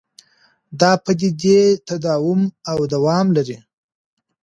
دا پدیدې تداوم او دوام لري.